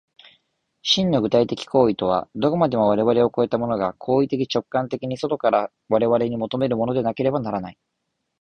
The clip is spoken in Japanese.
真の具体的当為とは、どこまでも我々を越えたものが行為的直観的に外から我々に求めるものでなければならない。